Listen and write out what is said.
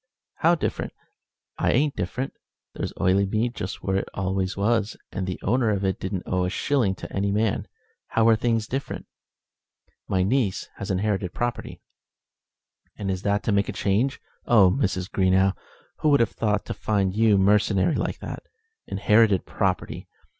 "How different? I ain't different. There's Oileymead just where it always was, and the owner of it don't owe a shilling to any man. How are things different?" "My niece has inherited property." "And is that to make a change? Oh! Mrs. Greenow, who would have thought to find you mercenary like that? Inherited property!